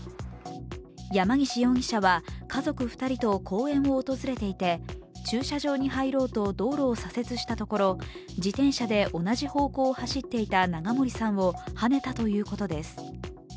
山岸容疑者は家族２人と公園を訪れていて駐車場に入ろうと、道路を左折したところ自転車で同じ方向を走っていた永森さんをはねたということです。